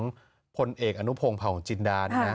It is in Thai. ลูกตัวผลเอกอนุโภงผ่าของจินดานนะ